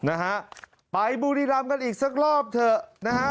นะฮะไปบุรีรำกันอีกสักรอบเถอะนะฮะ